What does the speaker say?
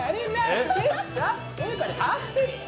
ハッピー！